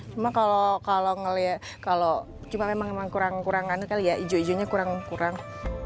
cuma kalau ngelihat kalau cuma memang kurang kurangan kali ya ijo ijo nya kurang kurang